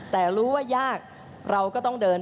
แต่รู้ว่ายากเราก็ต้องเดิน